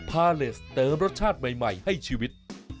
พาเลสเติมรสชาติใหม่ให้ชีวิต